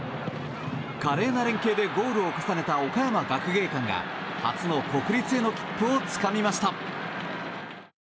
華麗な連係でゴールを重ねた岡山学芸館が初の国立への切符をつかみました。